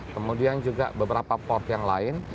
kemudian juga beberapa port yang lain